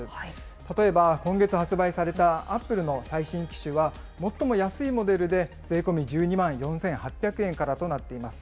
例えば今月発売されたアップルの最新機種は最も安いモデルで税込み１２万４８００円からとなっています。